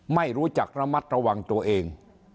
ไม่รู้จักระมัดระวังตัวเอง